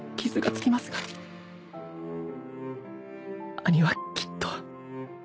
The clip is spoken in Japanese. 兄はきっと。